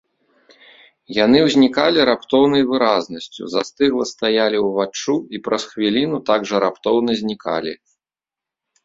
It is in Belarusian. Яны ўзнікалі раптоўнай выразнасцю, застыгла стаялі ўваччу і праз хвіліну так жа раптоўна знікалі.